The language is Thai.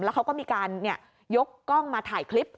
เขาก็มีการยกกล้องมาถ่ายคลิป